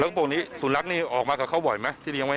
แล้วก็พวกนี้ศูนย์รักษณ์นี่ออกมากับเขาบ่อยไหมที่เรียงไว้